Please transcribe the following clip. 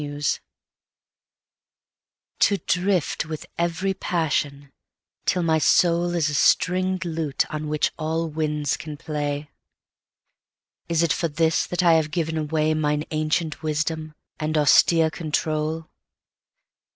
Helas TO drift with every passion till my soulIs a stringed lute on which all winds can play, Is it for this that I have given awayMine ancient wisdom, and austere control?